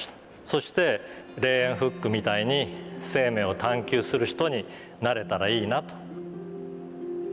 そしてレーウェンフックみたいに生命を探求する人になれたらいいなと。